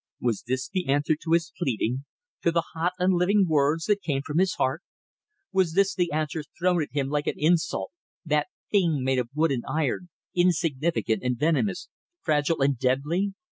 Was this the answer to his pleading, to the hot and living words that came from his heart? Was this the answer thrown at him like an insult, that thing made of wood and iron, insignificant and venomous, fragile and deadly?